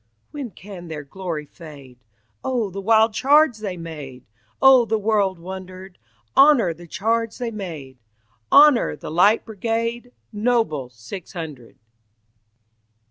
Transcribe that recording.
"When can their glory fade? O the wild charge they made! All the world wonder'd. Honour the charge they made! Honour the Light Brigade, Noble six hundred!"